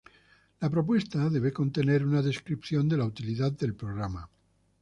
La propuesta debe contener una descripción de la utilidad del programa.